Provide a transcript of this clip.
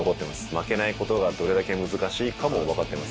負けないことがどれだけ難しいかも分かっています。